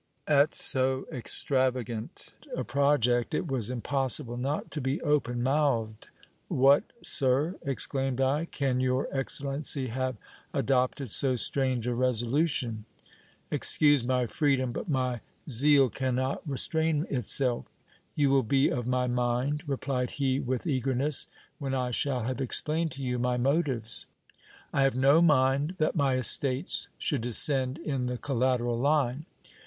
At so extravagant a project it was impossible not to be open mouthed. What, sir, exclaimed 1, can your excellency have adopted so strange a resolution ?\ Excuse my freedom ; but my zeal cannot restrain itself. You will be of my mind, replied he with eagerness, when I shall have explained to you my mo tives. I have no mind that my estates should descend in the collateral line.